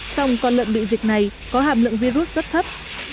xong con lợn bị dịch này có hàm lượng virus rất thấp